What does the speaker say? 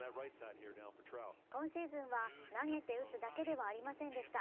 今シーズンは、投げて打つだけではありませんでした。